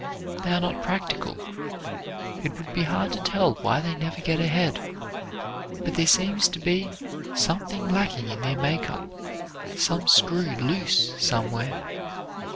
They are not practical. It would be hard to tell why they never get ahead, but there seems to be something lacking in their make up, some screw loose somewhere.